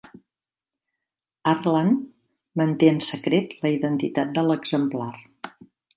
Harlan manté en secret la identitat de l'exemplar.